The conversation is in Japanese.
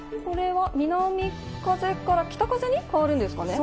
南風から北風に変わるんですかね。